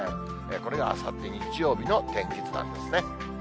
これがあさって日曜日の天気図なんですね。